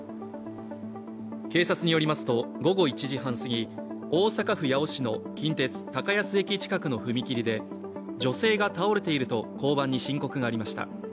警察によりますと、午後１時半過ぎ、大阪府八尾市の近鉄高安駅近くの踏切で女性が倒れていると交番に申告がありました。